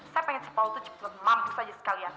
saya pengen si paul tuh cepet cepet mampus aja sekalian